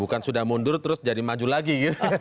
bukan sudah mundur terus jadi maju lagi